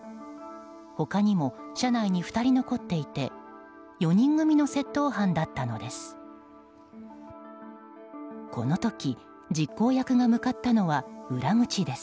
他にも車内に２人残っていて４人組の窃盗犯だったのです。